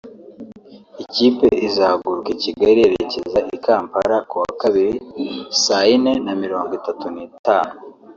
Ikipe izahaguruka i Kigali yerekeza i Kampala ku wa kabiri saa yine na mirongo itatu n’itanu